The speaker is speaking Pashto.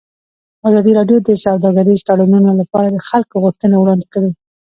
ازادي راډیو د سوداګریز تړونونه لپاره د خلکو غوښتنې وړاندې کړي.